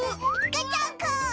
ガチャンコ！